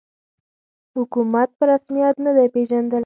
حکومت په رسمیت نه دی پېژندلی